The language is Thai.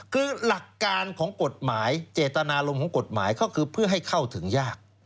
คือหลักการของกฎหมายเจตนารมณ์ของกฎหมายก็คือเพื่อให้เข้าถึงยาก